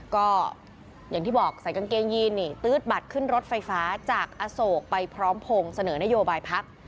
ก็อย่างที่บอกใส่กางเกงยีนนี่ตื๊ดบัตรขึ้นรถไฟฟ้าจากอโศกไปพร้อมพงศ์เสนอนโยบายพัก